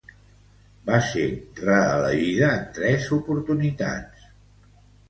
Va ser reelegida en tres oportunitats.